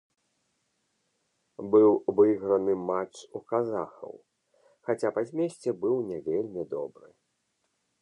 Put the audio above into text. Быў выйграны матч у казахаў, хаця па змесце быў не вельмі добры.